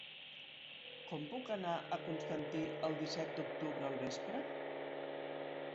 Com puc anar a Constantí el disset d'octubre al vespre?